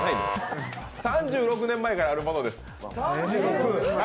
３６年前からあるものです。